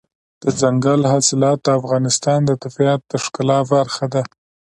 دځنګل حاصلات د افغانستان د طبیعت د ښکلا برخه ده.